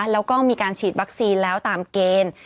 แล้วก็มีการฉีดวัคซีนแล้วตามเกณฑ์